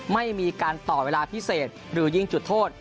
ไม่มีการต่อเวลาพิเศษหรือยิงจุดโทษ